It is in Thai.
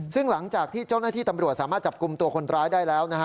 ซึ่งหลังจากที่เจ้าหน้าที่ตำรวจสามารถจับกลุ่มตัวคนร้ายได้แล้วนะฮะ